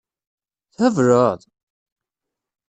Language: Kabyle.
Thebleḍ?